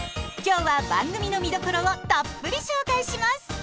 今日は番組の見どころをたっぷり紹介します！